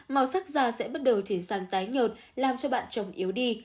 màu sắc da sẽ bắt đầu chuyển sang tái nhột làm cho bạn chồng yếu đi